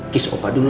kiss opah dulu